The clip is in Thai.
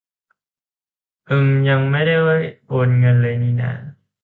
เอิ่ม ยังไม่ได้โอนเงินเลยนี่นา